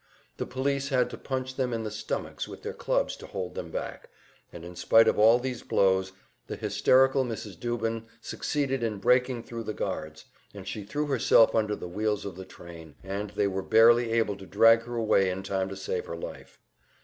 The police had to punch them in the stomachs with their clubs to hold them back, and in spite of all these blows, the hysterical Mrs. Dubin succeeded in breaking thru the guards, and she threw herself under the wheels of the train, and they were barely able to drag her away in time to save her life.